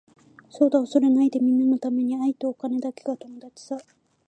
そうだ恐れないでみんなのために愛とお金だけが友達さ。